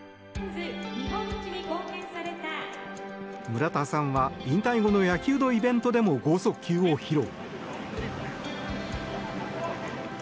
村田さんは引退後の野球のイベントでも豪速球を披露。